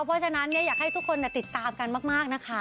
เพราะฉะนั้นอยากให้ทุกคนติดตามกันมากนะคะ